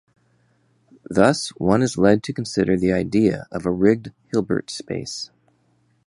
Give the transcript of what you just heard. Thus one is led to consider the idea of a rigged Hilbert space.